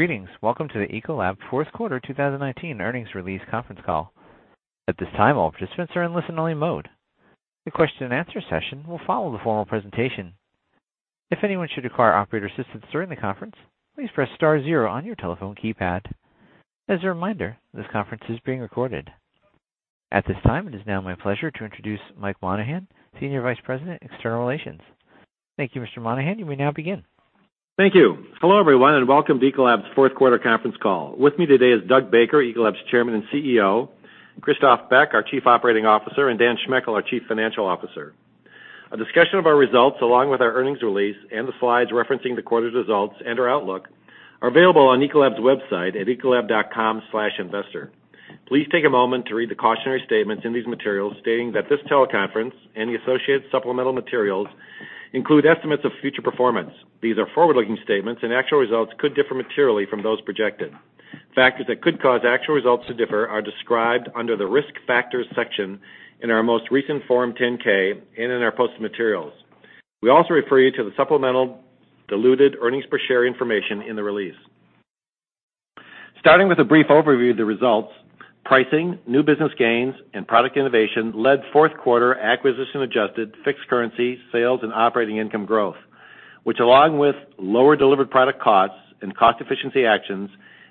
Greetings. Welcome to the Ecolab fourth quarter 2019 earnings release conference call. At this time, all participants are in listen-only mode. The question and answer session will follow the formal presentation. If anyone should require operator assistance during the conference, please press star zero on your telephone keypad. As a reminder, this conference is being recorded. At this time, it is now my pleasure to introduce Mike Monahan, Senior Vice President, External Relations. Thank you, Mr. Monahan. You may now begin. Thank you. Hello, everyone, and welcome to Ecolab's fourth quarter conference call. With me today is Doug Baker, Ecolab's Chairman and Chief Executive Officer, Christophe Beck, our Chief Operating Officer, and Dan Schmechel, our Chief Financial Officer. A discussion of our results, along with our earnings release and the slides referencing the quarter's results and our outlook, are available on Ecolab's website at ecolab.com/investor. Please take a moment to read the cautionary statements in these materials stating that this teleconference and the associated supplemental materials include estimates of future performance. These are forward-looking statements. Actual results could differ materially from those projected. Factors that could cause actual results to differ are described under the Risk Factors section in our most recent Form 10-K and in our posted materials. We also refer you to the supplemental diluted earnings per share information in the release. Starting with a brief overview of the results, pricing, new business gains, and product innovation led fourth quarter acquisition-adjusted fixed currency sales and operating income growth, which, along with lower delivered product costs and cost efficiency actions,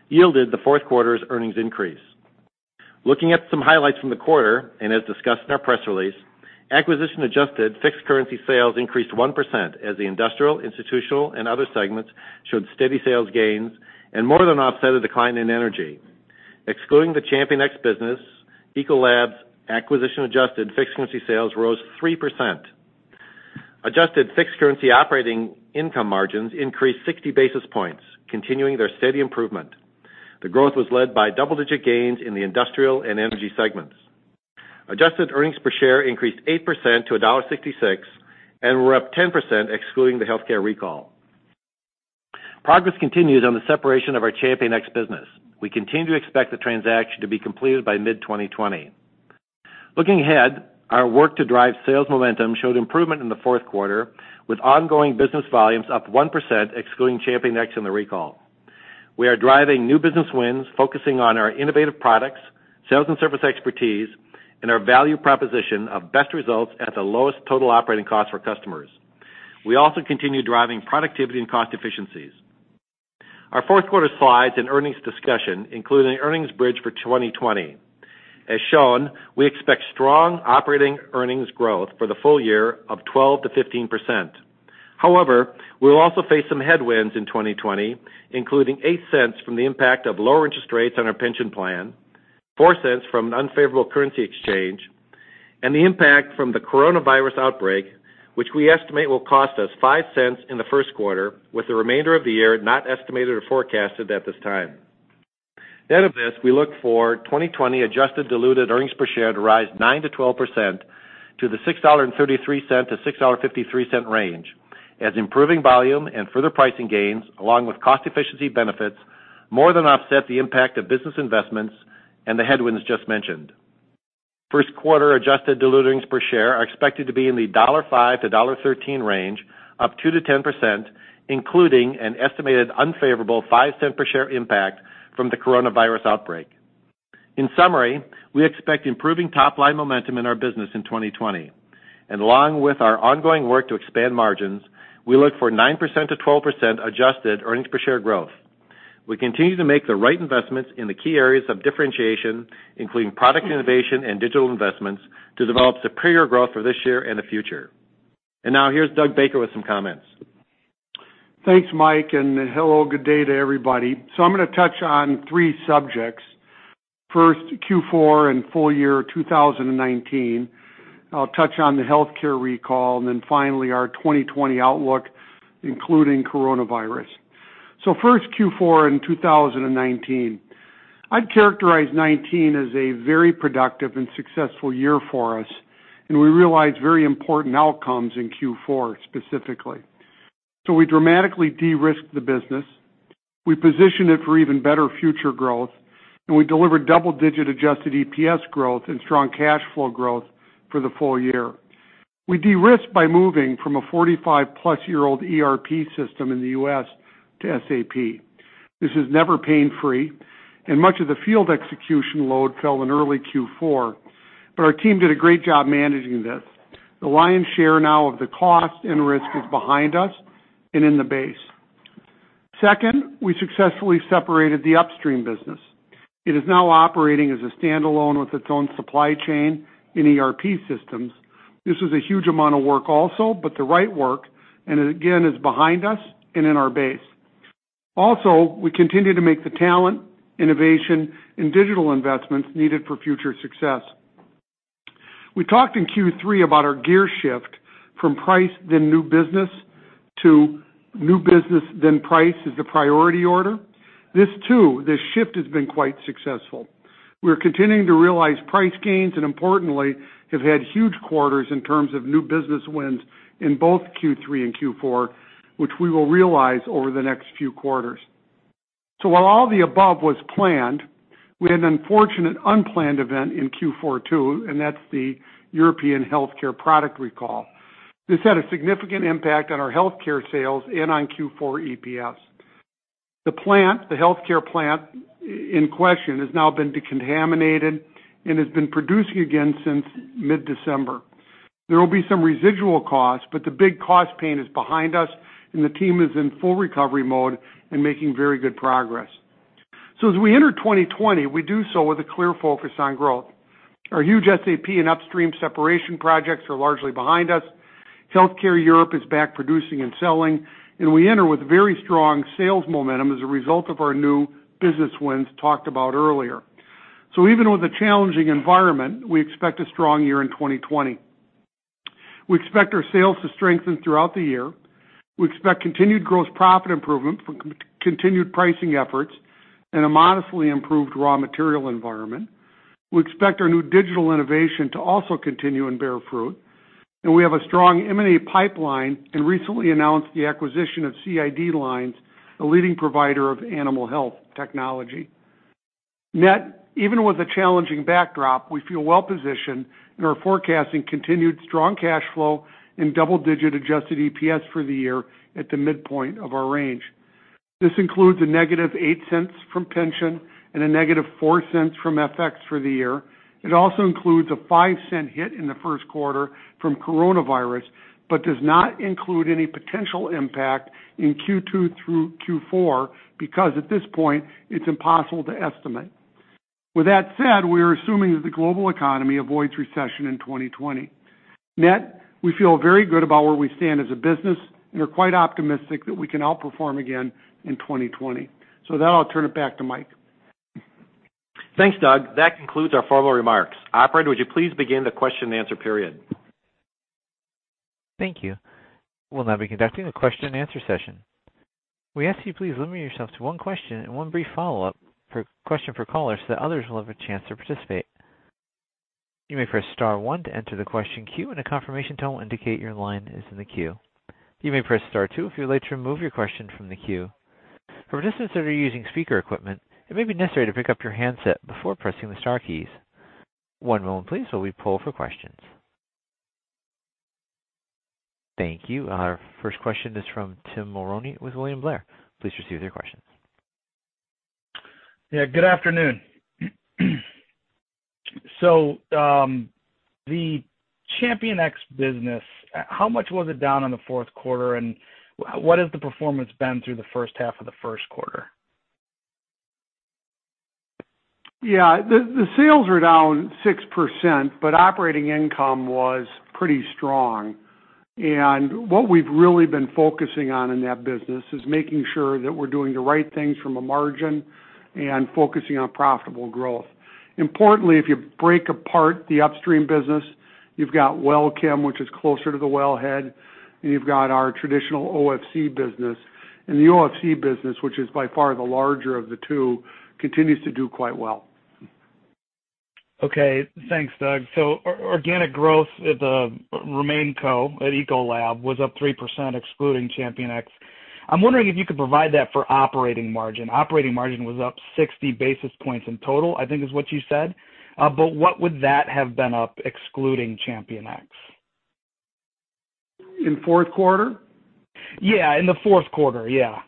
yielded the fourth quarter's earnings increase. Looking at some highlights in the quarter. As discussed in our press release, acquisition-adjusted fixed currency sales increased 1% as the Industrial, Institutional, and Other segments showed steady sales gains and more than offset a decline in Energy. Excluding the ChampionX business, Ecolab's acquisition-adjusted fixed currency sales rose 3%. Adjusted fixed currency operating income margins increased 60 basis points, continuing their steady improvement. The growth was led by double-digit gains in the Industrial and Energy segments. Adjusted earnings per share increased 8% to $1.66 and were up 10% excluding the healthcare recall. Progress continues on the separation of our ChampionX business. We continue to expect the transaction to be completed by mid-2020. Looking ahead, our work to drive sales momentum showed improvement in the fourth quarter, with ongoing business volumes up 1% excluding ChampionX and the recall. We are driving new business wins, focusing on our innovative products, sales and service expertise, and our value proposition of best results at the lowest total operating cost for customers. We also continue driving productivity and cost efficiencies. Our fourth quarter slides and earnings discussion include an earnings bridge for 2020. As shown, we expect strong operating earnings growth for the full year of 12%-15%. We will also face some headwinds in 2020, including $0.08 from the impact of lower interest rates on our pension plan, $0.04 from an unfavorable currency exchange, and the impact from the coronavirus outbreak, which we estimate will cost us $0.05 in the first quarter, with the remainder of the year not estimated or forecasted at this time. Net of this, we look for 2020 adjusted diluted earnings per share to rise 9%-12% to the $6.33-$6.53 range as improving volume and further pricing gains, along with cost efficiency benefits, more than offset the impact of business investments and the headwinds just mentioned. First quarter adjusted diluted earnings per share are expected to be in the $1.05-$1.13 range, up 2%-10%, including an estimated unfavorable $0.05 per share impact from the coronavirus outbreak. In summary, we expect improving top-line momentum in our business in 2020. Along with our ongoing work to expand margins, we look for 9%-12% adjusted EPS growth. We continue to make the right investments in the key areas of differentiation, including product innovation and digital investments, to develop superior growth for this year and the future. Now, here's Doug Baker with some comments. Thanks, Mike, and hello, good day to everybody. I'm going to touch on three subjects. First, Q4 and full year 2019. I'll touch on the healthcare recall, and then finally, our 2020 outlook, including coronavirus. First, Q4 in 2019. I'd characterize 2019 as a very productive and successful year for us, and we realized very important outcomes in Q4, specifically. We dramatically de-risked the business, we positioned it for even better future growth, and we delivered double-digit adjusted EPS growth and strong cash flow growth for the full year. We de-risked by moving from a 45+ year-old ERP system in the U.S. to SAP. This is never pain-free, and much of the field execution load fell in early Q4, but our team did a great job managing this. The lion's share now of the cost and risk is behind us and in the base. Second, we successfully separated the upstream business. It is now operating as a standalone with its own supply chain and ERP systems. This was a huge amount of work also, but the right work, and it again is behind us and in our base. We continue to make the talent, innovation, and digital investments needed for future success. We talked in Q3 about our gear shift from price then new business to new business then price as the priority order. This too, this shift has been quite successful. We're continuing to realize price gains and importantly, have had huge quarters in terms of new business wins in both Q3 and Q4, which we will realize over the next few quarters. While all the above was planned, we had an unfortunate unplanned event in Q4 too, and that's the European healthcare product recall. This had a significant impact on our healthcare sales and on Q4 EPS. The healthcare plant in question has now been decontaminated and has been producing again since mid-December. There will be some residual costs, the big cost pain is behind us, and the team is in full recovery mode and making very good progress. As we enter 2020, we do so with a clear focus on growth. Our huge SAP and upstream separation projects are largely behind us. Healthcare Europe is back producing and selling, and we enter with very strong sales momentum as a result of our new business wins talked about earlier. Even with a challenging environment, we expect a strong year in 2020. We expect our sales to strengthen throughout the year. We expect continued gross profit improvement from continued pricing efforts and a modestly improved raw material environment. We expect our new digital innovation to also continue and bear fruit. We have a strong M&A pipeline and recently announced the acquisition of CID Lines, a leading provider of animal health technology. Net, even with a challenging backdrop, we feel well-positioned and are forecasting continued strong cash flow and double-digit adjusted EPS for the year at the midpoint of our range. This includes a -$0.08 from pension and a -$0.04 from FX for the year. It also includes a $0.05 hit in the first quarter from coronavirus, but does not include any potential impact in Q2 through Q4, because at this point, it's impossible to estimate. With that said, we are assuming that the global economy avoids recession in 2020. Net, we feel very good about where we stand as a business and are quite optimistic that we can outperform again in 2020. With that, I'll turn it back to Mike. Thanks, Doug. That concludes our formal remarks. Operator, would you please begin the question and answer period? Thank you. We'll now be conducting a question and answer session. We ask you please limit yourself to one question and one brief follow-up question for callers so that others will have a chance to participate. You may press star one to enter the question queue, and a confirmation tone will indicate your line is in the queue. You may press star two if you would like to remove your question from the queue. For participants that are using speaker equipment, it may be necessary to pick up your handset before pressing the star keys. One moment please while we poll for questions. Thank you. Our first question is from Tim Mulrooney with William Blair. Please proceed with your questions. Yeah, good afternoon. The ChampionX business, how much was it down in the fourth quarter, and what has the performance been through the first half of the first quarter? Yeah, the sales were down 6%, but operating income was pretty strong. What we've really been focusing on in that business is making sure that we're doing the right things from a margin and focusing on profitable growth. Importantly, if you break apart the upstream business, you've got WellChem, which is closer to the wellhead, and you've got our traditional OFC business. The OFC business, which is by far the larger of the two, continues to do quite well. Okay. Thanks, Doug. Organic growth at the RemainCo at Ecolab was up 3% excluding ChampionX. I'm wondering if you could provide that for operating margin. Operating margin was up 60 basis points in total, I think is what you said. What would that have been up excluding ChampionX? In fourth quarter? Yeah. In the fourth quarter, yeah.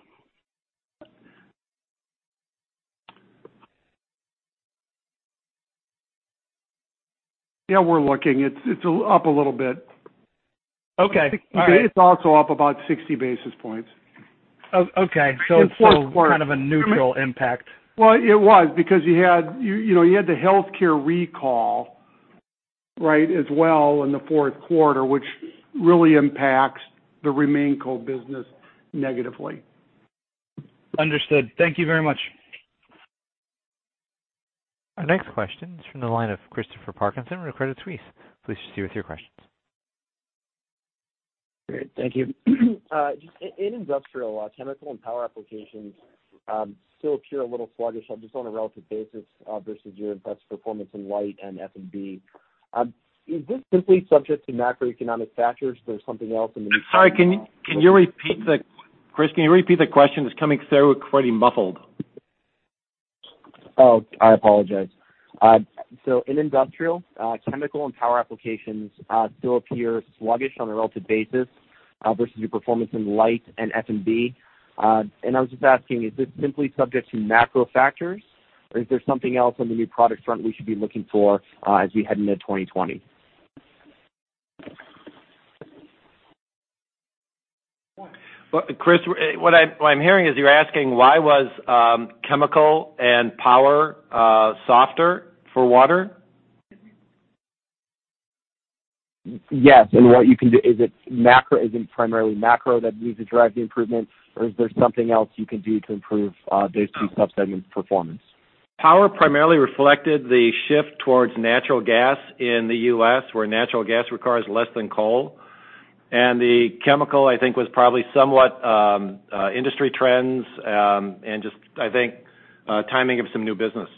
Yeah, we're looking. It's up a little bit. Okay. All right. It's also up about 60 basis points. Okay. In fourth quarter. Kind of a neutral impact. Well, it was because you had the healthcare recall as well in the fourth quarter, which really impacts the RemainCo business negatively. Understood. Thank you very much. Our next question is from the line of Christopher Parkinson with Credit Suisse. Please proceed with your questions. Great. Thank you. In industrial chemical and power applications still appear a little sluggish just on a relative basis versus your best performance in Life and F&B. Is this simply subject to macroeconomic factors? There's something else in the. Sorry, Chris, can you repeat the question? It's coming through quite muffled. Oh, I apologize. In industrial, chemical and power applications still appear sluggish on a relative basis versus your performance in Life and F&B. I was just asking, is this simply subject to macro factors, or is there something else on the new product front we should be looking for as we head into 2020? Chris, what I'm hearing is you're asking why was chemical and power softer for water? Yes. What you can do, is it primarily macro that needs to drive the improvements, or is there something else you can do to improve those two subsegment performance? Power primarily reflected the shift towards natural gas in the U.S., where natural gas requires less than coal. The chemical, I think, was probably somewhat industry trends, and just, I think, timing of some new business.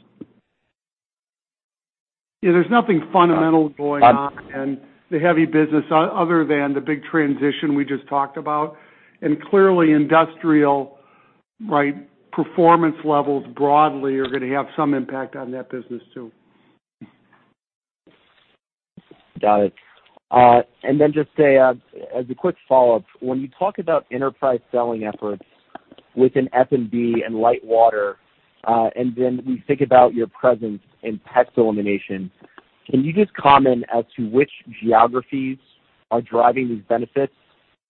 Yeah, there's nothing fundamental going on in the heavy business other than the big transition we just talked about. Clearly industrial performance levels broadly are going to have some impact on that business too. Got it. Just as a quick follow-up, when you talk about enterprise selling efforts within F&B and Light Water, and then we think about your presence in pest elimination, can you just comment as to which geographies are driving these benefits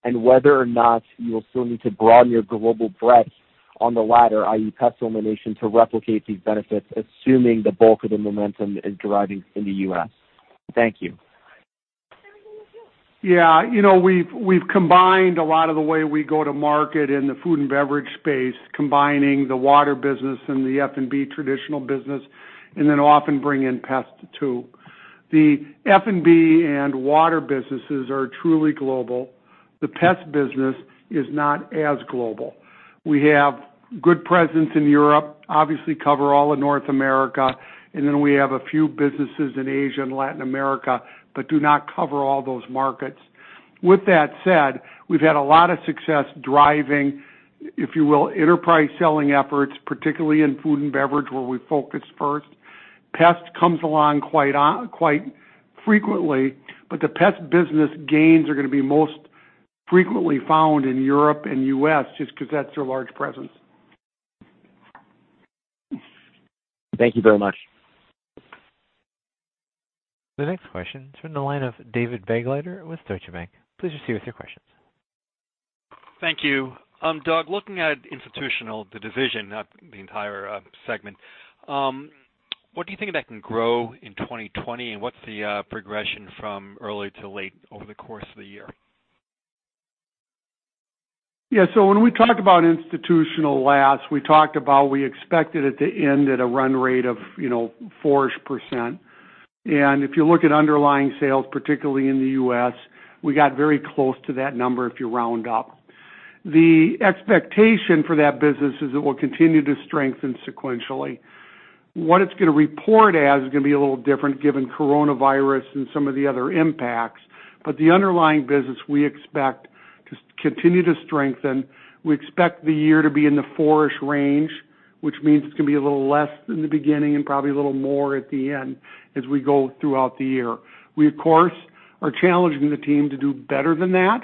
and whether or not you will still need to broaden your global breadth on the latter, i.e. pest elimination, to replicate these benefits, assuming the bulk of the momentum is driving in the U.S.? Thank you. Yeah. We've combined a lot of the way we go to market in the Food & Beverage space, combining the water business and the F&B traditional business, and then often bring in pest too. The F&B and water businesses are truly global. The pest business is not as global. We have good presence in Europe, obviously cover all of North America, and then we have a few businesses in Asia and Latin America, but do not cover all those markets. With that said, we've had a lot of success driving, if you will, enterprise selling efforts, particularly in Food & Beverage, where we focused first. Pest comes along quite frequently, but the pest business gains are going to be most frequently found in Europe and U.S., just because that's their large presence. Thank you very much. The next question is from the line of David Begleiter with Deutsche Bank. Please proceed with your questions. Thank you. Doug, looking at Institutional, the division, not the entire segment, what do you think that can grow in 2020, and what's the progression from early to late over the course of the year? When we talked about institutional last, we talked about we expected it to end at a run rate of 4-ish%. If you look at underlying sales, particularly in the U.S., we got very close to that number, if you round up. The expectation for that business is it will continue to strengthen sequentially. What it's going to report as is going to be a little different given coronavirus and some of the other impacts. The underlying business, we expect to continue to strengthen. We expect the year to be in the 4-ish% range, which means it's going to be a little less in the beginning and probably a little more at the end as we go throughout the year. We, of course, are challenging the team to do better than that,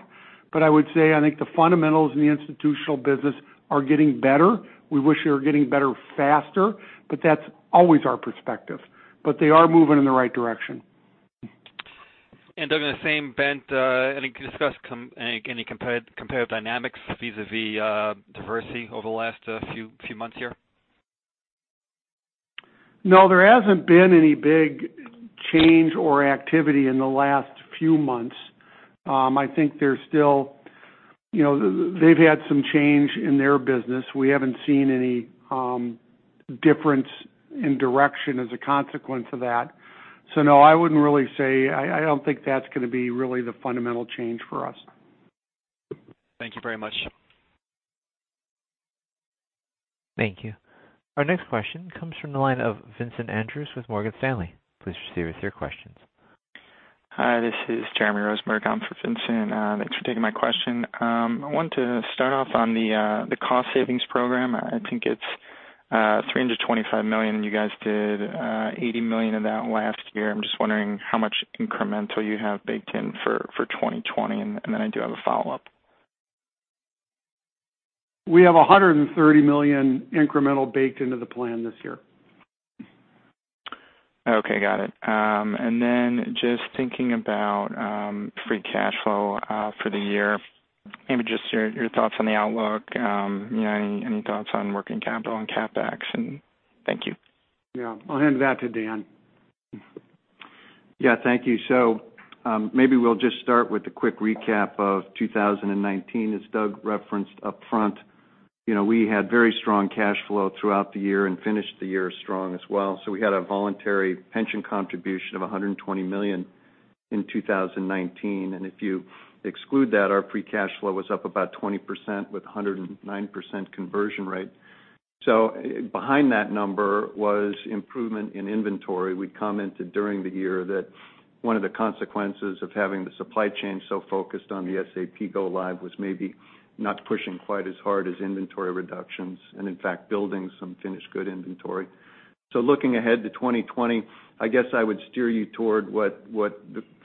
but I would say, I think the fundamentals in the institutional business are getting better. We wish they were getting better faster, but that's always our perspective. They are moving in the right direction. Doug, in the same bent, can you discuss any comparative dynamics vis-à-vis Diversey over the last few months here? No. There hasn't been any big change or activity in the last few months. I think they've had some change in their business. We haven't seen any difference in direction as a consequence of that. No, I wouldn't really say I don't think that's going to be really the fundamental change for us. Thank you very much. Thank you. Our next question comes from the line of Vincent Andrews with Morgan Stanley. Please proceed with your questions. Hi, this is Jeremy Rosenberg. I'm for Vincent. Thanks for taking my question. I want to start off on the cost savings program. I think it's $325 million, and you guys did $80 million of that last year. I'm just wondering how much incremental you have baked in for 2020? I do have a follow-up. We have $130 million incremental baked into the plan this year. Okay, got it. Just thinking about free cash flow for the year, maybe just your thoughts on the outlook, any thoughts on working capital and CapEx, and thank you. Yeah. I'll hand that to Dan. Yeah, thank you. Maybe we'll just start with a quick recap of 2019. As Doug referenced upfront, we had very strong cash flow throughout the year and finished the year strong as well. We had a voluntary pension contribution of $120 million in 2019, and if you exclude that, our free cash flow was up about 20% with 109% conversion rate. Behind that number was improvement in inventory. We commented during the year that one of the consequences of having the supply chain so focused on the SAP go live was maybe not pushing quite as hard as inventory reductions, and in fact, building some finished good inventory. Looking ahead to 2020, I guess I would steer you toward what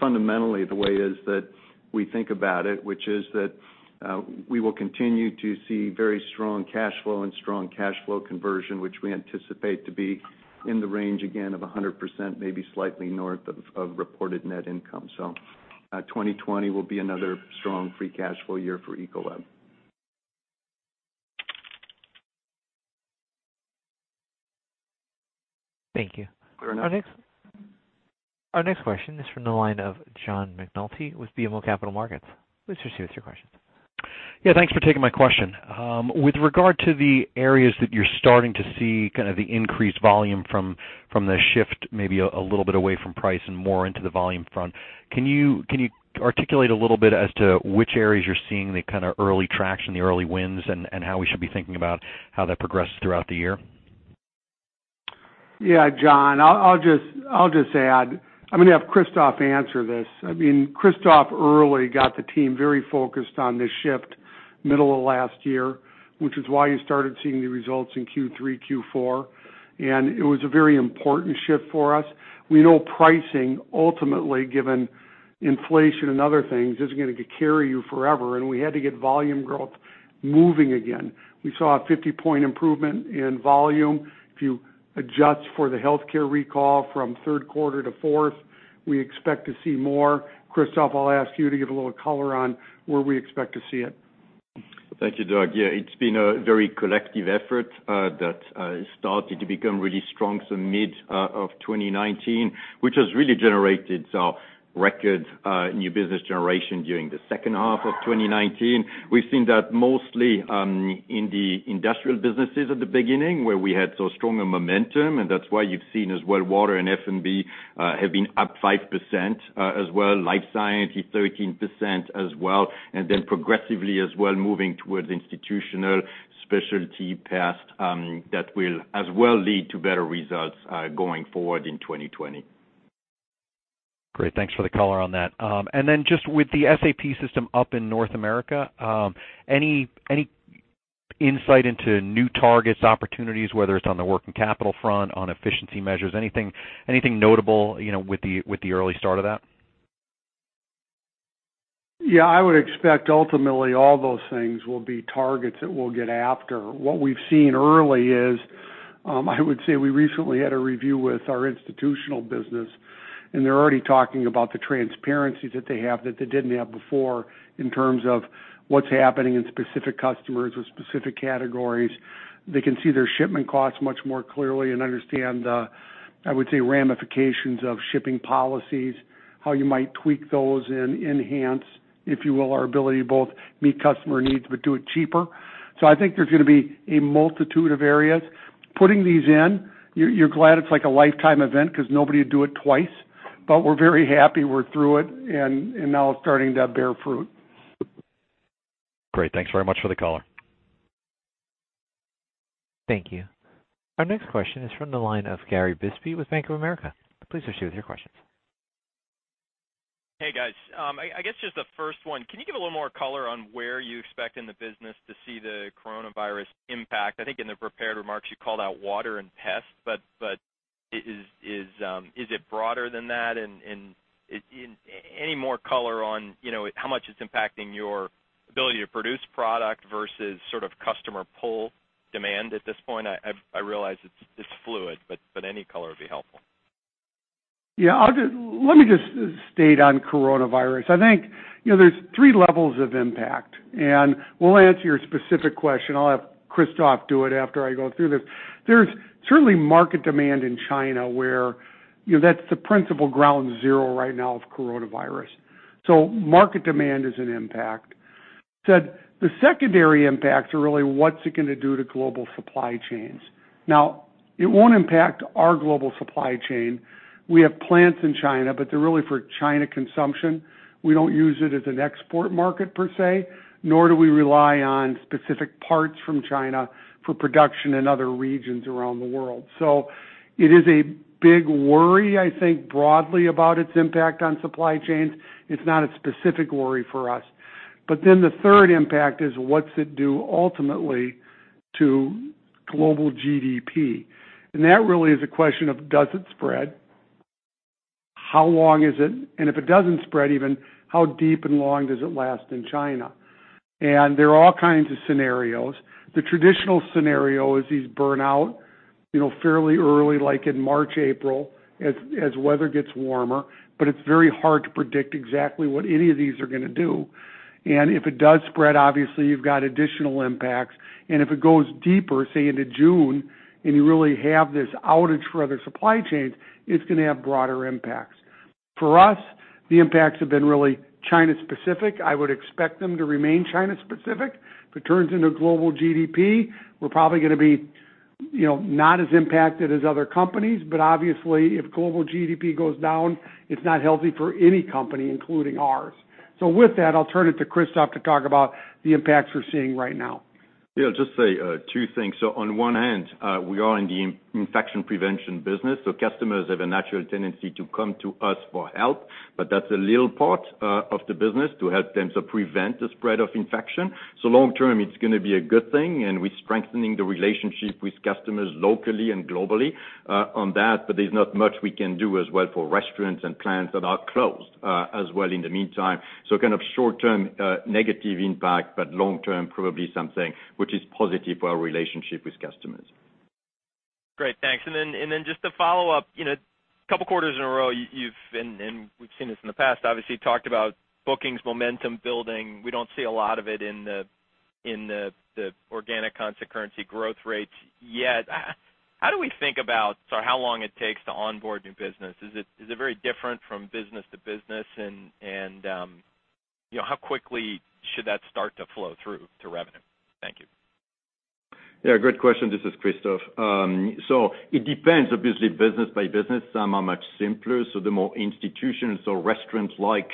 fundamentally the way is that we think about it, which is that we will continue to see very strong cash flow and strong cash flow conversion, which we anticipate to be in the range, again, of 100%, maybe slightly north of reported net income. 2020 will be another strong free cash flow year for Ecolab. Thank you. Our next question is from the line of John McNulty with BMO Capital Markets. Please proceed with your questions. Yeah, thanks for taking my question. With regard to the areas that you're starting to see kind of the increased volume from the shift, maybe a little bit away from price and more into the volume front, can you articulate a little bit as to which areas you're seeing the kind of early traction, the early wins, and how we should be thinking about how that progresses throughout the year? Yeah, John, I'll just add. I'm going to have Christophe answer this. Christophe early got the team very focused on this shift middle of last year, which is why you started seeing the results in Q3, Q4, and it was a very important shift for us. We know pricing ultimately, given inflation and other things, isn't going to carry you forever, and we had to get volume growth moving again. We saw a 50-point improvement in volume. If you adjust for the healthcare recall from third quarter to fourth, we expect to see more. Christophe, I'll ask you to give a little color on where we expect to see it. Thank you, Doug. Yeah, it's been a very collective effort that started to become really strong mid of 2019, which has really generated record new business generation during the second half of 2019. We've seen that mostly in the Industrial businesses at the beginning, where we had stronger momentum, and that's why you've seen as well, Water and F&B have been up 5%, as well Life Sciences is 13% as well, and then progressively as well moving towards Institutional, Specialty, Pest, that will as well lead to better results going forward in 2020. Great. Thanks for the color on that. Just with the SAP system up in North America, any insight into new targets, opportunities, whether it's on the working capital front, on efficiency measures, anything notable with the early start of that? Yeah, I would expect ultimately all those things will be targets that we'll get after. What we've seen early is, I would say we recently had a review with our institutional business, and they're already talking about the transparency that they have that they didn't have before in terms of what's happening in specific customers with specific categories. They can see their shipment costs much more clearly and understand the, I would say, ramifications of shipping policies, how you might tweak those and enhance, if you will, our ability to both meet customer needs but do it cheaper. I think there's going to be a multitude of areas. Putting these in, you're glad it's like a lifetime event because nobody would do it twice, but we're very happy we're through it and now it's starting to bear fruit. Great. Thanks very much for the color. Thank you. Our next question is from the line of Gary Bisbee with Bank of America. Please proceed with your questions. Hey, guys. I guess just the first one, can you give a little more color on where you expect in the business to see the coronavirus impact? I think in the prepared remarks, you called out water and pest, but is it broader than that? Any more color on how much it's impacting your ability to produce product versus sort of customer pull demand at this point? I realize it's fluid, but any color would be helpful. Yeah. Let me just state on coronavirus. I think there's three levels of impact. We'll answer your specific question. I'll have Christophe do it after I go through this. There's certainly market demand in China where that's the principal ground zero right now of coronavirus. Market demand is an impact. The secondary impacts are really what's it going to do to global supply chains. It won't impact our global supply chain. We have plants in China. They're really for China consumption. We don't use it as an export market per se, nor do we rely on specific parts from China for production in other regions around the world. It is a big worry, I think, broadly about its impact on supply chains. It's not a specific worry for us. The third impact is what's it do ultimately to global GDP. That really is a question of does it spread? How long is it? If it doesn't spread even, how deep and long does it last in China? There are all kinds of scenarios. The traditional scenario is these burn out fairly early, like in March, April, as weather gets warmer, but it's very hard to predict exactly what any of these are going to do. If it does spread, obviously, you've got additional impacts. If it goes deeper, say into June, and you really have this outage for other supply chains, it's going to have broader impacts. For us, the impacts have been really China-specific. I would expect them to remain China-specific. If it turns into global GDP, we're probably going to be not as impacted as other companies, but obviously if global GDP goes down, it's not healthy for any company, including ours. With that, I'll turn it to Christophe to talk about the impacts we're seeing right now. Yeah, I'll just say two things. On one hand, we are in the infection prevention business, so customers have a natural tendency to come to us for help, but that's a little part of the business to help them prevent the spread of infection. Long term, it's going to be a good thing, and we're strengthening the relationship with customers locally and globally on that, but there's not much we can do as well for restaurants and plants that are closed as well in the meantime. Kind of short term negative impact, but long term, probably something which is positive for our relationship with customers. Great, thanks. Then just to follow up, couple quarters in a row, you've, and we've seen this in the past, obviously talked about bookings, momentum building. We don't see a lot of it in the organic constant currency growth rates yet. How do we think about how long it takes to onboard new business? Is it very different from business to business? How quickly should that start to flow through to revenue? Thank you. Yeah, great question. This is Christophe. It depends, obviously, business by business. Some are much simpler, the more institutions or restaurant-like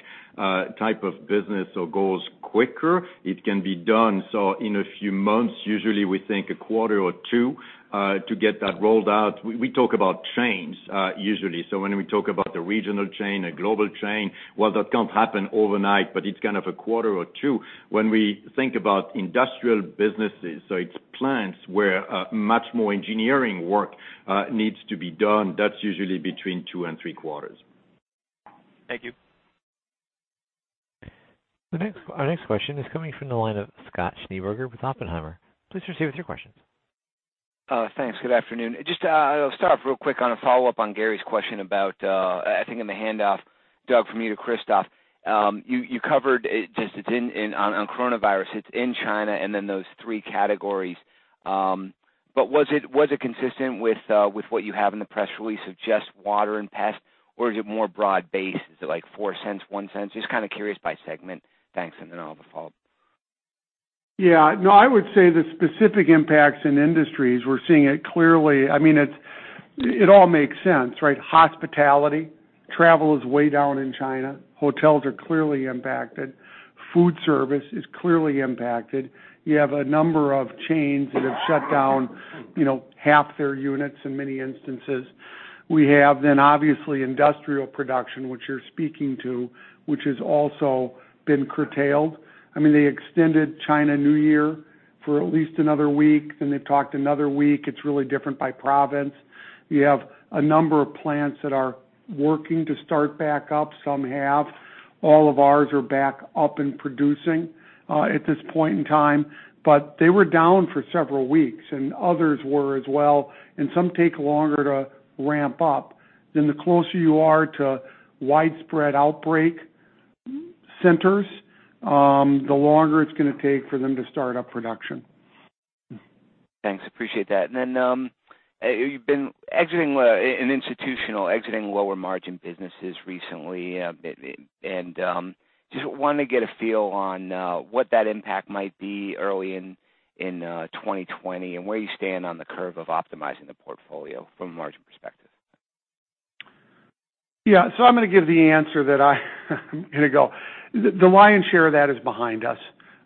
type of business goes quicker. It can be done. In a few months, usually we think a quarter or two, to get that rolled out. We talk about chains usually. When we talk about the regional chain, a global chain, well, that can't happen overnight, but it's kind of a quarter or two. When we think about industrial businesses, so it's plants where much more engineering work needs to be done, that's usually between two and three quarters. Thank you. Our next question is coming from the line of Scott Schneeberger with Oppenheimer. Please proceed with your questions. Thanks. Good afternoon. Just, I'll start off real quick on a follow-up on Gary question about, I think in the handoff, Doug, from you to Christophe. You covered it, just it's in on coronavirus, it's in China in those three categories. Was it consistent with what you have in the press release of just water and pest, or is it more broad-based? Is it like $0.04, $0.01? Just kind of curious by segment. Thanks. I'll have a follow-up. No, I would say the specific impacts in industries, we're seeing it clearly. It all makes sense, right? Hospitality, travel is way down in China. Hotels are clearly impacted. Food service is clearly impacted. You have a number of chains that have shut down half their units in many instances. We have, obviously, industrial production, which you're speaking to, which has also been curtailed. They extended Chinese New Year for at least another week, they've talked another week. It's really different by province. You have a number of plants that are working to start back up. Some have. All of ours are back up and producing, at this point in time. They were down for several weeks, and others were as well, and some take longer to ramp up. The closer you are to widespread outbreak centers, the longer it's going to take for them to start up production. Thanks. Appreciate that. Then, you've been exiting lower margin businesses recently. Just want to get a feel on what that impact might be early in 2020 and where you stand on the curve of optimizing the portfolio from a margin perspective? Yeah. I'm going to give the answer that I am going to go. The lion's share of that is behind us.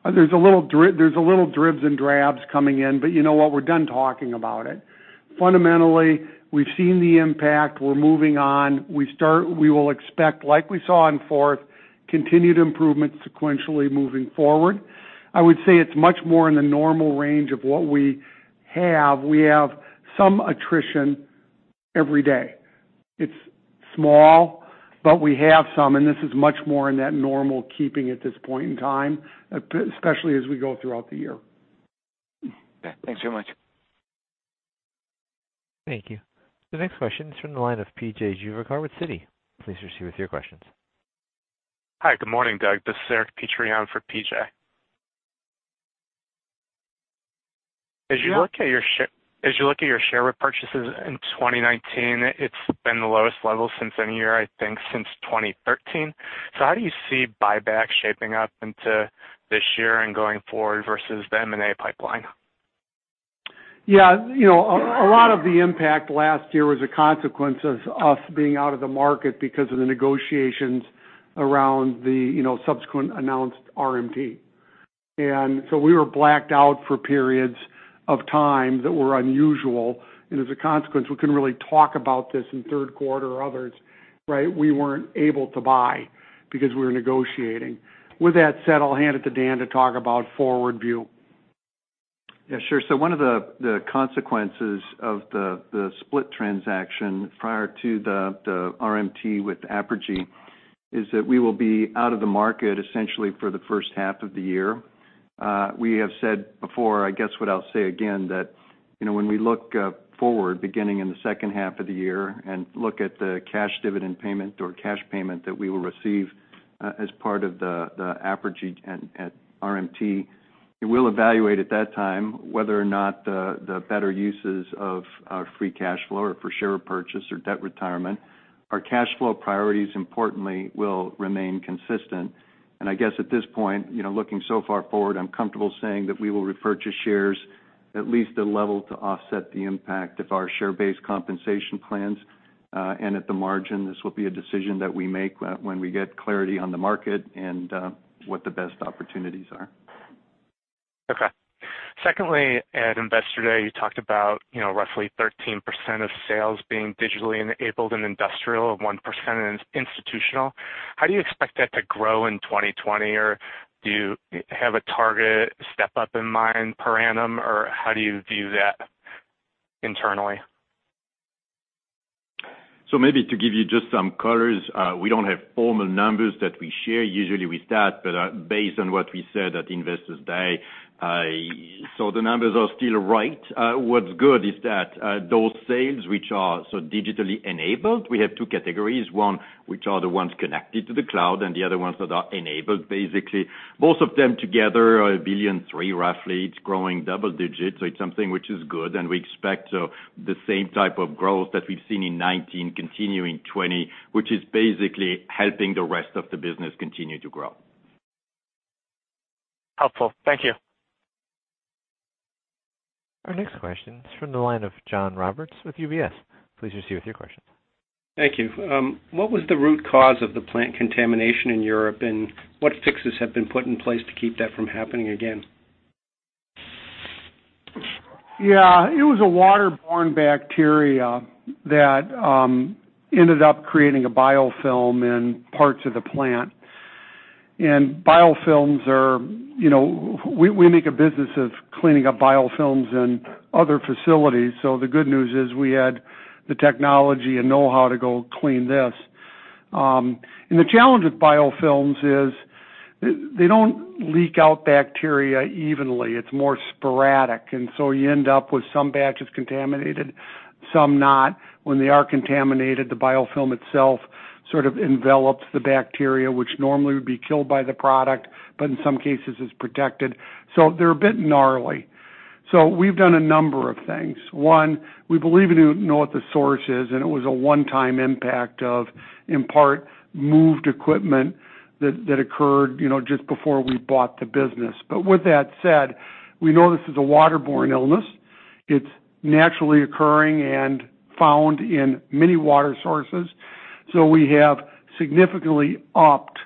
There's a little dribs and drabs coming in. You know what? We're done talking about it. Fundamentally, we've seen the impact, we're moving on. We will expect, like we saw in fourth, continued improvement sequentially moving forward. I would say it's much more in the normal range of what we have. We have some attrition every day. It's small, but we have some, and this is much more in that normal keeping at this point in time, especially as we go throughout the year. Okay. Thanks very much. Thank you. The next question is from the line of P.J. Juvekar with Citi. Please proceed with your questions. Hi, good morning, Doug. This is Eric Petrie for PJ. As you look at your share repurchases in 2019, it's been the lowest level since any year, I think, since 2013. How do you see buyback shaping up into this year and going forward versus the M&A pipeline? Yeah. A lot of the impact last year was a consequence of us being out of the market because of the negotiations around the subsequent announced RMT. We were blacked out for periods of time that were unusual, and as a consequence, we couldn't really talk about this in third quarter or others, right? We weren't able to buy because we were negotiating. With that said, I'll hand it to Dan to talk about forward view. Yeah, sure. One of the consequences of the split transaction prior to the RMT with Apergy is that we will be out of the market essentially for the first half of the year. We have said before, I guess what I'll say again, that when we look forward, beginning in the second half of the year, and look at the cash dividend payment or cash payment that we will receive as part of the Apergy RMT, we will evaluate at that time whether or not the better uses of our free cash flow are for share purchase or debt retirement. Our cash flow priorities, importantly, will remain consistent. I guess at this point, looking so far forward, I'm comfortable saying that we will repurchase shares at least a level to offset the impact of our share-based compensation plans. At the margin, this will be a decision that we make when we get clarity on the market and what the best opportunities are. Okay. Secondly, at Investor Day, you talked about roughly 13% of sales being digitally enabled in Industrial and 1% in Institutional. How do you expect that to grow in 2020? Or do you have a target step up in mind per annum, or how do you view that internally? Maybe to give you just some colors, we don't have formal numbers that we share. Usually, we start, but based on what we said at Investor Day, the numbers are still right. What's good is that those sales which are so digitally enabled, we have two categories, one, which are the ones connected to the cloud, and the other ones that are enabled, basically. Both of them together are $1.3 billion, roughly. It's growing double digits, it's something which is good, and we expect the same type of growth that we've seen in 2019 continuing 2020, which is basically helping the rest of the business continue to grow. Helpful. Thank you. Our next question is from the line of John Roberts with UBS. Please proceed with your questions. Thank you. What was the root cause of the plant contamination in Europe, and what fixes have been put in place to keep that from happening again? Yeah. It was a waterborne bacteria that ended up creating a biofilm in parts of the plant. We make a business of cleaning up biofilms in other facilities. The good news is we had the technology and know-how to go clean this. The challenge with biofilms is they don't leak out bacteria evenly. It's more sporadic, you end up with some batches contaminated, some not. When they are contaminated, the biofilm itself sort of envelops the bacteria, which normally would be killed by the product, but in some cases is protected. They're a bit gnarly. We've done a number of things. One, we believe we know what the source is, it was a one-time impact of, in part, moved equipment that occurred just before we bought the business. With that said, we know this is a waterborne illness. It's naturally occurring and found in many water sources. We have significantly upped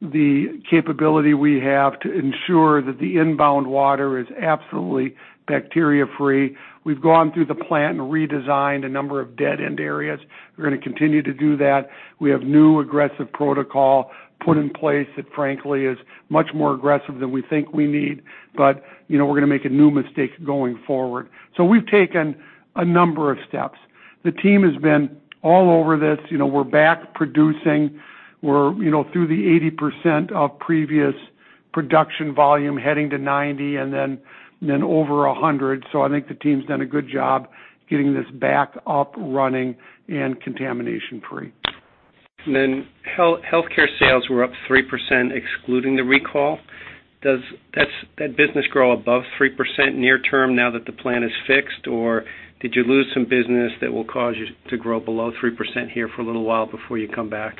the capability we have to ensure that the inbound water is absolutely bacteria-free. We've gone through the plant and redesigned a number of dead-end areas. We're going to continue to do that. We have new aggressive protocol put in place that frankly is much more aggressive than we think we need, but we're going to make a new mistake going forward. We've taken a number of steps. The team has been all over this. We're back producing. We're through the 80% of previous production volume, heading to 90 and then over 100. I think the team's done a good job getting this back up, running and contamination-free. Healthcare sales were up 3% excluding the recall. Does that business grow above 3% near term now that the plant is fixed, or did you lose some business that will cause you to grow below 3% here for a little while before you come back?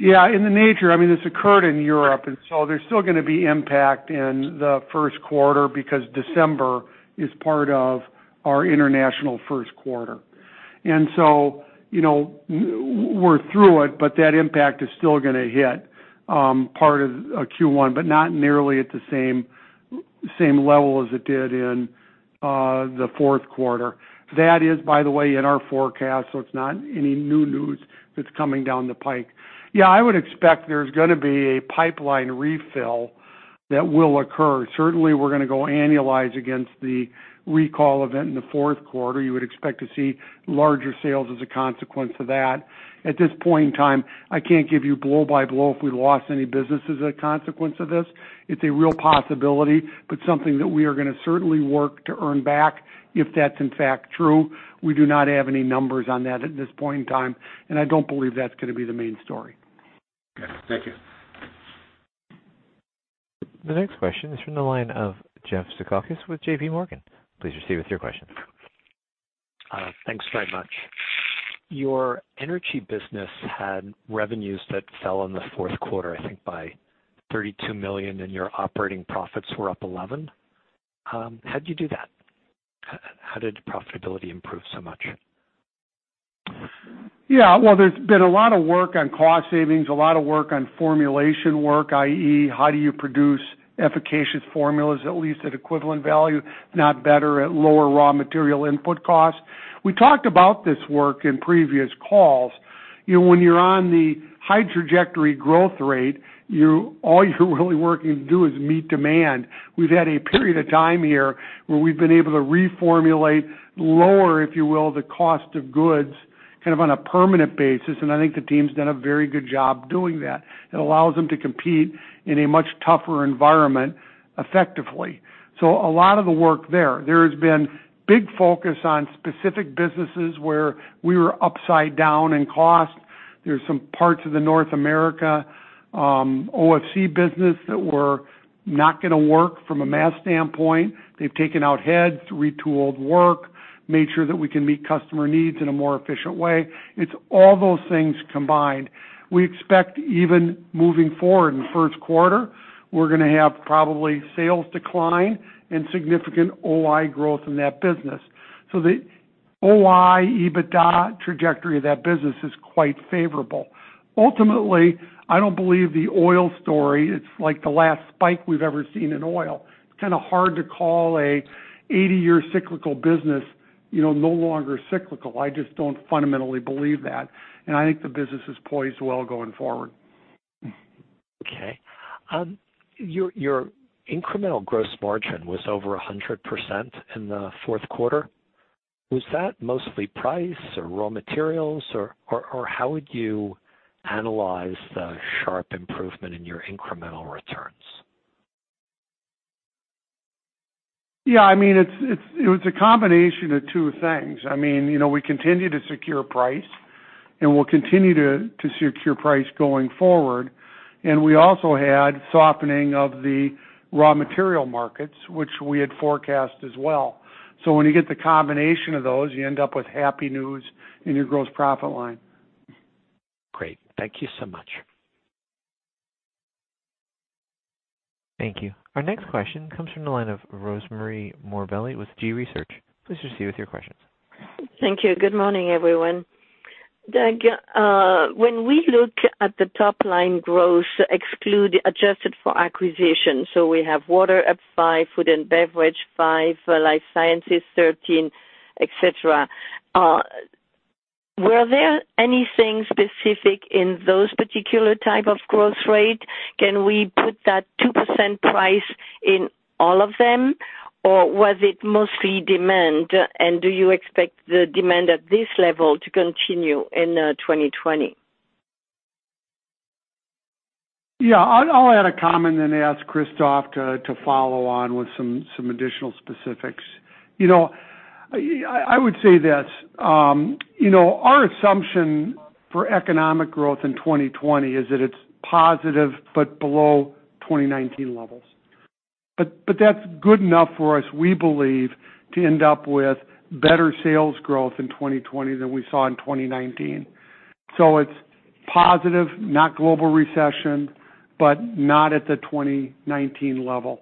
In the nature, this occurred in Europe, there's still going to be impact in the first quarter because December is part of our international first quarter. We're through it, but that impact is still going to hit part of Q1, but not nearly at the same level as it did in the fourth quarter. That is, by the way, in our forecast, it's not any new news that's coming down the pipe. I would expect there's gonna be a pipeline refill that will occur. Certainly, we're gonna go annualize against the recall event in the fourth quarter. You would expect to see larger sales as a consequence of that. At this point in time, I can't give you blow-by-blow if we lost any business as a consequence of this. It's a real possibility, but something that we are going to certainly work to earn back if that's in fact true. We do not have any numbers on that at this point in time, and I don't believe that's going to be the main story. Okay. Thank you. The next question is from the line of Jeff Zekauskas with JPMorgan. Please proceed with your question. Thanks very much. Your energy business had revenues that fell in the fourth quarter, I think by $32 million, and your operating profits were up 11%. How'd you do that? How did profitability improve so much? Well, there's been a lot of work on cost savings, a lot of work on formulation work, i.e., how do you produce efficacious formulas, at least at equivalent value, not better at lower raw material input costs. We talked about this work in previous calls. When you're on the high trajectory growth rate, all you're really working to do is meet demand. We've had a period of time here where we've been able to reformulate lower, if you will, the cost of goods kind of on a permanent basis, and I think the team's done a very good job doing that. It allows them to compete in a much tougher environment effectively. A lot of the work there. There has been big focus on specific businesses where we were upside down in cost. There are some parts of the North America OFC business that were not going to work from a mass standpoint. They've taken out heads, retooled work, made sure that we can meet customer needs in a more efficient way. It's all those things combined. We expect even moving forward in the first quarter, we're gonna have probably sales decline and significant OI growth in that business. The OI EBITDA trajectory of that business is quite favorable. Ultimately, I don't believe the oil story. It's like the last spike we've ever seen in oil. It's kind of hard to call a 80-year cyclical business no longer cyclical. I just don't fundamentally believe that. I think the business is poised well going forward. Okay. Your incremental gross margin was over 100% in the fourth quarter. Was that mostly price or raw materials, or how would you analyze the sharp improvement in your incremental returns? It was a combination of two things. We continue to secure price, and we'll continue to secure price going forward. We also had softening of the raw material markets, which we had forecast as well. When you get the combination of those, you end up with happy news in your gross profit line. Great. Thank you so much. Thank you. Our next question comes from the line of Rosemarie Morbelli with G.research. Please proceed with your questions. Thank you. Good morning, everyone. Doug, when we look at the top-line growth exclude adjusted for acquisition, so we have water up five, Food & Beverage five, Life Sciences 13, et cetera. Were there anything specific in those particular type of growth rate? Can we put that 2% price in all of them, or was it mostly demand? Do you expect the demand at this level to continue in 2020? I'll add a comment then ask Christophe to follow on with some additional specifics. I would say this. Our assumption for economic growth in 2020 is that it's positive but below 2019 levels. That's good enough for us, we believe, to end up with better sales growth in 2020 than we saw in 2019. It's positive, not global recession, but not at the 2019 level.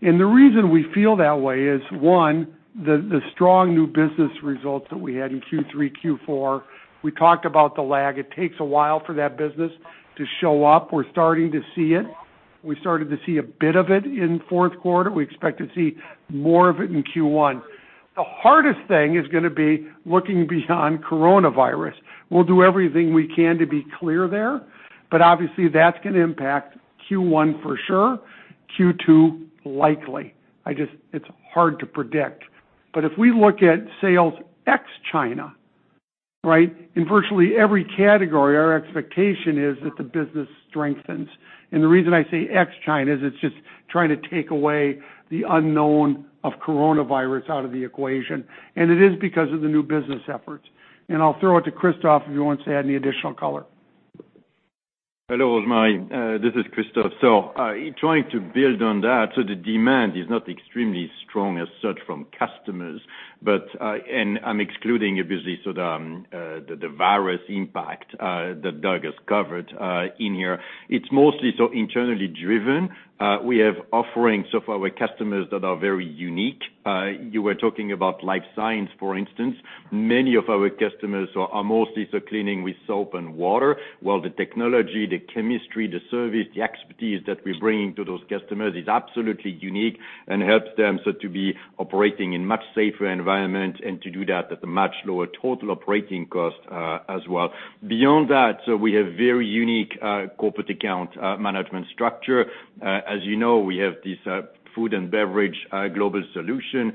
The reason we feel that way is, one, the strong new business results that we had in Q3, Q4. We talked about the lag. It takes a while for that business to show up. We're starting to see it. We started to see a bit of it in fourth quarter. We expect to see more of it in Q1. The hardest thing is gonna be looking beyond coronavirus. We'll do everything we can to be clear there, obviously, that's going to impact Q1 for sure, Q2 likely. It's hard to predict. If we look at sales ex-China, right? In virtually every category, our expectation is that the business strengthens. The reason I say ex-China is it's just trying to take away the unknown of coronavirus out of the equation, and it is because of the new business efforts. I'll throw it to Christophe if he wants to add any additional color. Hello, Rosemarie. This is Christophe. Trying to build on that, so the demand is not extremely strong as such from customers. I'm excluding, obviously, so the virus impact that Doug has covered in here. It's mostly internally driven. We have offerings of our customers that are very unique. You were talking about Life Sciences, for instance. Many of our customers are mostly cleaning with soap and water, while the technology, the chemistry, the service, the expertise that we're bringing to those customers is absolutely unique and helps them so to be operating in much safer environment and to do that at a much lower total operating cost, as well. Beyond that, we have very unique corporate account management structure. As you know, we have this Food & Beverage global solution,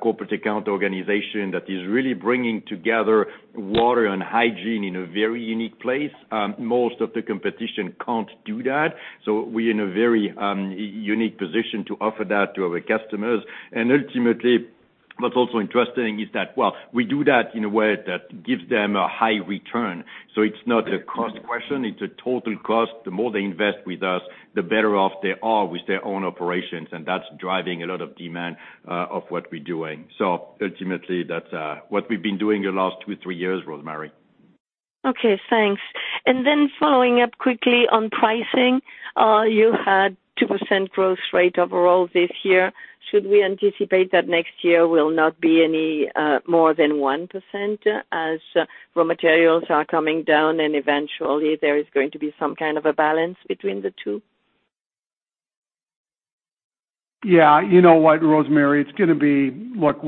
corporate account organization that is really bringing together water and hygiene in a very unique place. Most of the competition can't do that. We are in a very unique position to offer that to our customers. Ultimately, what's also interesting is that, well, we do that in a way that gives them a high return. It's not a cost question, it's a total cost. The more they invest with us, the better off they are with their own operations, and that's driving a lot of demand of what we're doing. Ultimately, that's what we've been doing the last two, three years, Rosemarie. Okay, thanks. Following up quickly on pricing. You had a 2% growth rate overall this year. Should we anticipate that next year will not be any more than 1% as raw materials are coming down, and eventually there is going to be some kind of a balance between the two? You know what, Rosemarie? Look,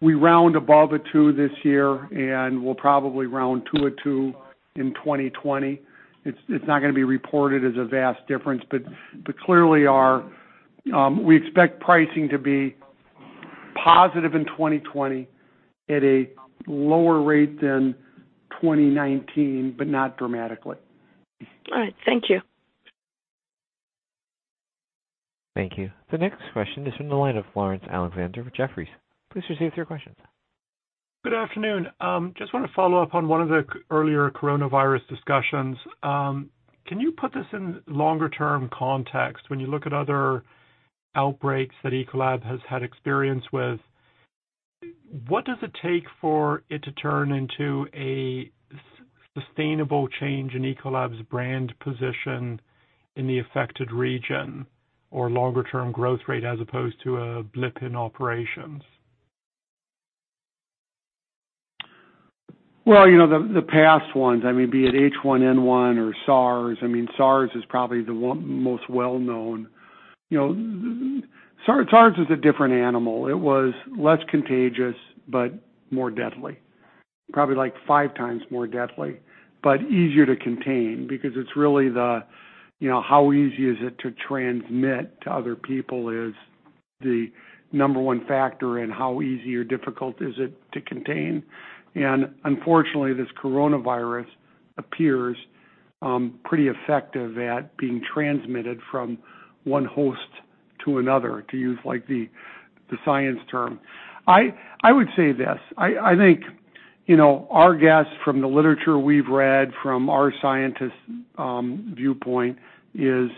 we round above a two this year, and we'll probably round to a two in 2020. It's not going to be reported as a vast difference. Clearly, we expect pricing to be positive in 2020 at a lower rate than 2019, but not dramatically. All right. Thank you. Thank you. The next question is from the line of Laurence Alexander with Jefferies. Please proceed with your questions. Good afternoon. Want to follow up on one of the earlier coronavirus discussions. Can you put this in longer term context? When you look at other outbreaks that Ecolab has had experience with, what does it take for it to turn into a sustainable change in Ecolab's brand position in the affected region or longer-term growth rate as opposed to a blip in operations? Well, the past ones, be it H1N1 or SARS. SARS is probably the most well-known. SARS is a different animal. It was less contagious, but more deadly. Probably like five times more deadly, but easier to contain because it's really the how easy is it to transmit to other people is the number one factor in how easy or difficult is it to contain. Unfortunately, this coronavirus appears pretty effective at being transmitted from one host to another, to use the science term. I would say this. I think our guess from the literature we've read from our scientists' viewpoint is,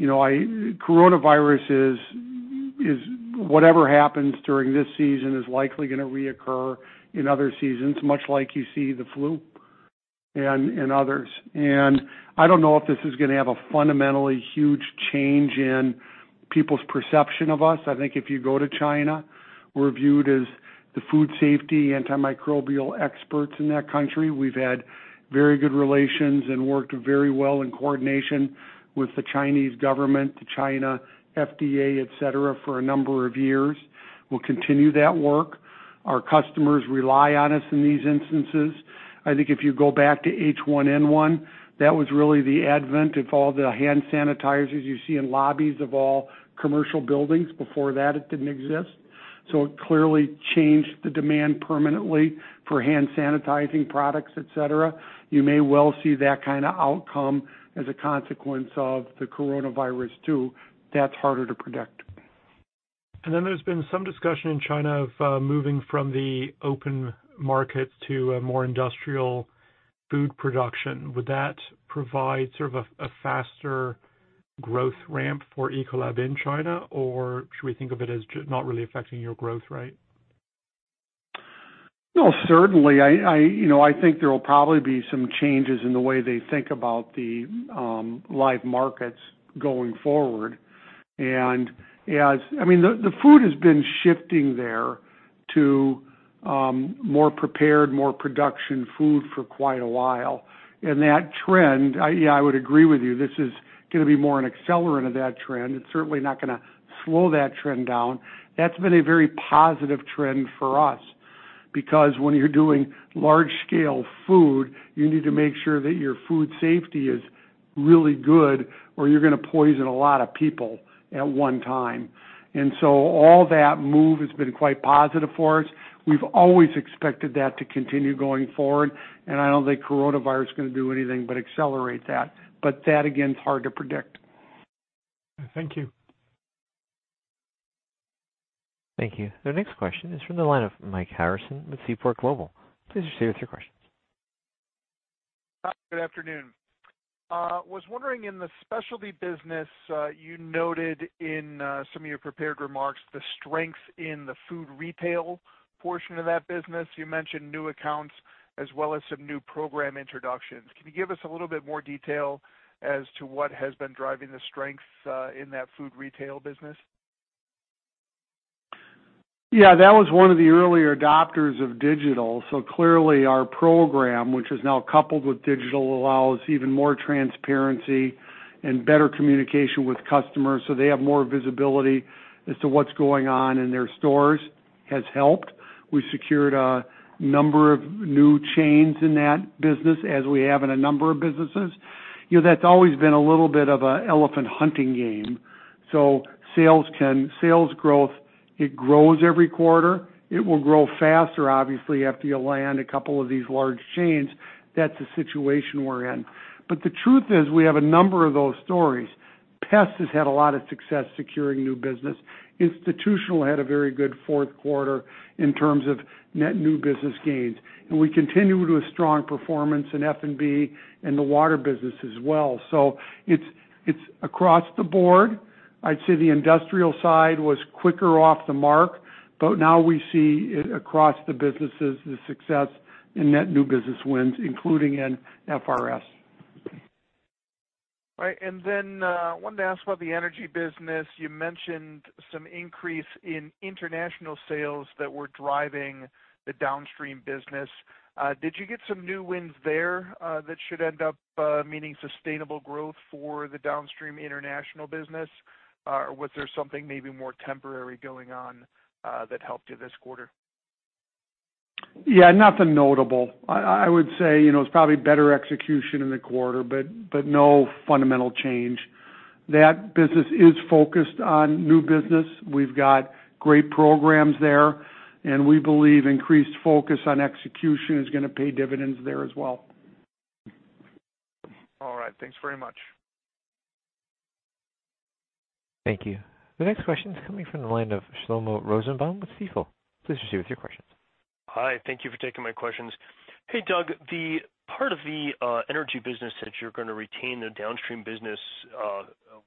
coronavirus is whatever happens during this season is likely gonna reoccur in other seasons, much like you see the flu. Others. I don't know if this is going to have a fundamentally huge change in people's perception of us. I think if you go to China, we're viewed as the food safety, antimicrobial experts in that country. We've had very good relations and worked very well in coordination with the Chinese government, the China FDA, et cetera, for a number of years. We'll continue that work. Our customers rely on us in these instances. I think if you go back to H1N1, that was really the advent of all the hand sanitizers you see in lobbies of all commercial buildings. Before that, it didn't exist. It clearly changed the demand permanently for hand sanitizing products, et cetera. You may well see that kind of outcome as a consequence of the coronavirus too. That's harder to predict. There's been some discussion in China of moving from the open markets to a more industrial food production. Would that provide sort of a faster growth ramp for Ecolab in China? Should we think of it as just not really affecting your growth rate? No, certainly, I think there will probably be some changes in the way they think about the live markets going forward. The food has been shifting there to more prepared, more production food for quite a while, and that trend, yeah, I would agree with you. This is going to be more an accelerant of that trend. It's certainly not going to slow that trend down. That's been a very positive trend for us, because when you're doing large-scale food, you need to make sure that your food safety is really good, or you're going to poison a lot of people at one time. All that move has been quite positive for us. We've always expected that to continue going forward, and I don't think coronavirus is going to do anything but accelerate that. That, again, is hard to predict. Thank you. Thank you. The next question is from the line of Mike Harrison with Seaport Global. Please proceed with your questions. Hi, good afternoon. Was wondering in the specialty business, you noted in some of your prepared remarks the strength in the food retail portion of that business. You mentioned new accounts as well as some new program introductions. Can you give us a little bit more detail as to what has been driving the strengths in that food retail business? Yeah, that was one of the earlier adopters of digital. Clearly our program, which is now coupled with digital, allows even more transparency and better communication with customers so they have more visibility as to what's going on in their stores, has helped. We secured a number of new chains in that business, as we have in a number of businesses. That's always been a little bit of an elephant hunting game. Sales growth, it grows every quarter. It will grow faster, obviously, after you land a couple of these large chains. That's the situation we're in. The truth is, we have a number of those stories. Pest has had a lot of success securing new business. Institutional had a very good fourth quarter in terms of net new business gains. We continue with a strong performance in F&B and the water business as well. It's across the board. I'd say the industrial side was quicker off the mark, but now we see it across the businesses, the success in net new business wins, including in FRS. Right. Then I wanted to ask about the energy business. You mentioned some increase in international sales that were driving the downstream business. Did you get some new wins there that should end up meaning sustainable growth for the downstream international business? Or was there something maybe more temporary going on that helped you this quarter? Yeah, nothing notable. I would say it's probably better execution in the quarter, but no fundamental change. That business is focused on new business. We've got great programs there, and we believe increased focus on execution is going to pay dividends there as well. All right. Thanks very much. Thank you. The next question is coming from the line of Shlomo Rosenbaum with Stifel. Please proceed with your questions. Hi, thank you for taking my questions. Hey, Doug, the part of the energy business that you're going to retain, the downstream business,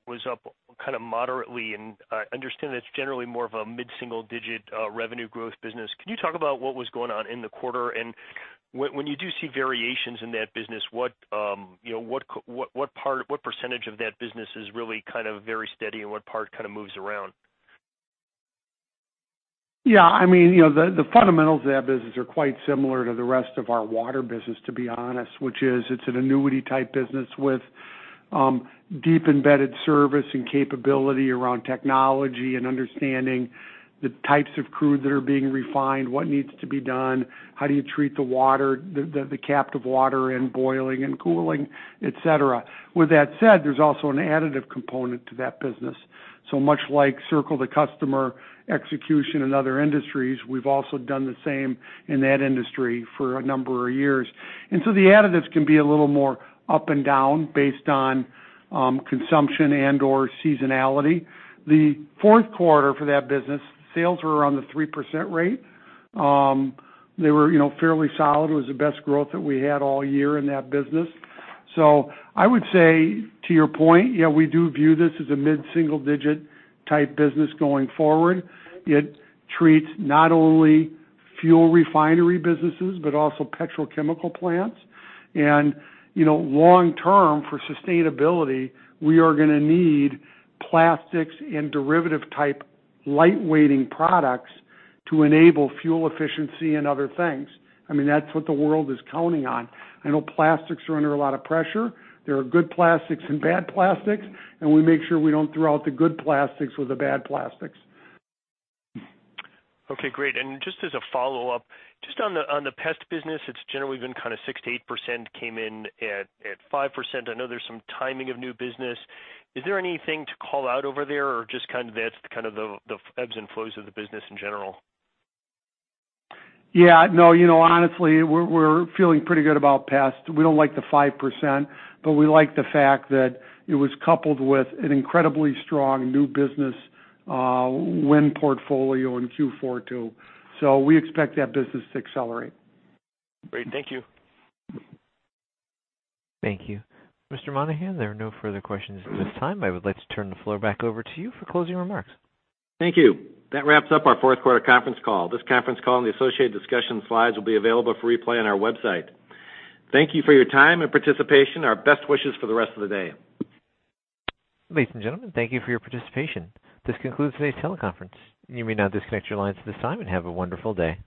was up kind of moderately, and I understand that's generally more of a mid-single digit revenue growth business. Can you talk about what was going on in the quarter? When you do see variations in that business, what percentage of that business is really kind of very steady, and what part kind of moves around? Yeah, the fundamentals of that business are quite similar to the rest of our water business, to be honest, which is it's an annuity type business with deep embedded service and capability around technology and understanding the types of crude that are being refined, what needs to be done, how do you treat the captive water and boiling and cooling, et cetera. With that said, there's also an additive component to that business. Much like circle the customer execution in other industries, we've also done the same in that industry for a number of years. The additives can be a little more up and down based on consumption and/or seasonality. The fourth quarter for that business, sales were around the 3% rate. They were fairly solid. It was the best growth that we had all year in that business. I would say, to your point, yeah, we do view this as a mid-single-digit type business going forward. It treats not only fuel refinery businesses, but also petrochemical plants. Long term for sustainability, we are going to need plastics and derivative type light weighting products to enable fuel efficiency and other things. That's what the world is counting on. I know plastics are under a lot of pressure. There are good plastics and bad plastics, and we make sure we don't throw out the good plastics with the bad plastics. Okay, great. Just as a follow-up, just on the pest business, it's generally been kind of 6%-8%, came in at 5%. I know there's some timing of new business. Is there anything to call out over there or just that's kind of the ebbs and flows of the business in general? Honestly, we're feeling pretty good about Pest. We don't like the 5%, but we like the fact that it was coupled with an incredibly strong new business win portfolio in Q4 too. We expect that business to accelerate. Great. Thank you. Thank you. Mr. Monahan, there are no further questions at this time. I would like to turn the floor back over to you for closing remarks. Thank you. That wraps up our fourth quarter conference call. This conference call and the associated discussion slides will be available for replay on our website. Thank you for your time and participation. Our best wishes for the rest of the day. Ladies and gentlemen, thank you for your participation. This concludes today's teleconference. You may now disconnect your lines at this time, and have a wonderful day.